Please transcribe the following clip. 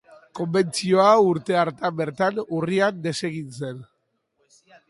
Konbentzioa urte hartan bertan, urrian, desegin zen.